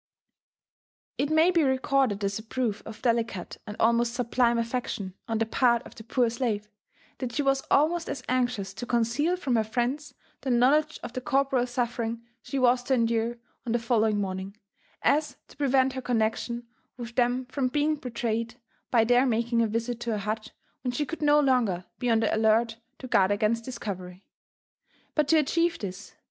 It may be recorded as a proof of delicate and almost sublime affection on the part of the poor slave, that she was almost as anxious to conceal from her friends the knowledge of the corporeal suffering she was to endure on the following morning, as to prevent her connexion with JONATHAN JEFFERSON WHITLAW. 75 them from being betrayed by their making a visit to her hut when she oould BO longer be on the alert to guard against discovery. But to achieve this